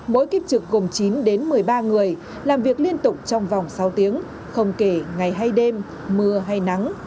mỗi kiếp trực gồm chín một mươi ba người làm việc liên tục trong vòng sáu tiếng không kể ngày hay đêm mưa hay nắng